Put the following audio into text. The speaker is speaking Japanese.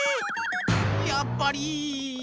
やっぱり。